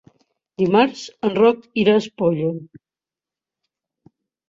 Dimarts en Roc irà a Espolla.